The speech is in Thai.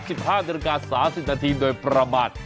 สิดำฝากบินการสาธิตดินโดยประมาท